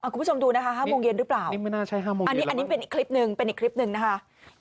คุณผู้ชมดูนะคะ๕โมงเย็นหรือเปล่าอันนี้เป็นอีกคลิปหนึ่งนะคะอันนี้ไม่น่าใช่๕โมงเย็น